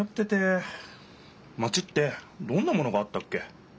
マチってどんなものがあったっけ。